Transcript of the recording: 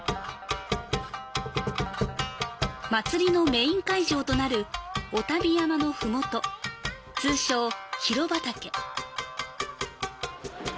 祭りのメイン会場となるお旅山のふもと、通称広畠。